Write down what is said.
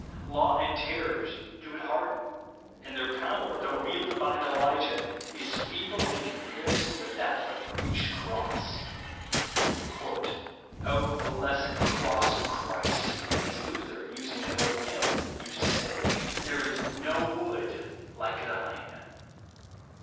" Law and terrors do but harden ;" and their power, though wielded by an Elijah, is feeble in comparison with that of a preached cross. " blessed cross of Christ," as Luther, using an old hymn, used to say, " there is no wood like thine